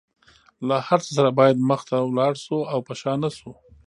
له هر څه سره باید مخ ته لاړ شو او په شا نشو.